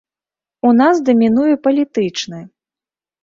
У нас дамінуе палітычны.